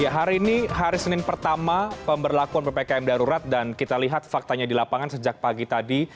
hari ini hari senin pertama pemberlakuan ppkm darurat dan kita lihat faktanya di lapangan sejak pagi tadi